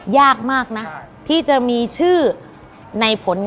ยากมากนะที่จะมีชื่อในผลงานของตัวเอง